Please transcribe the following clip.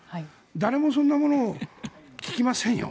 誰もそんなものを聞きませんよ。